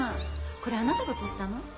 これあなたが取ったの？